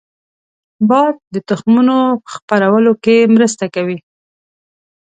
باد د تخمونو خپرولو کې مرسته کوي